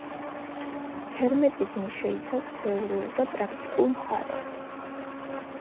ჰერმეტიზმი შეიცავს თეორიულ და პრაქტიკულ მხარეებს.